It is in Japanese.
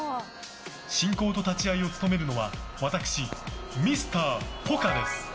進行と立ち会いを務めるのは私、Ｍｒ．ポカです。